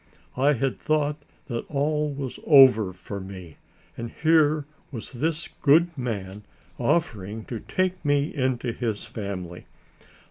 I had thought that all was over for me, and here was this good man offering to take me into his family.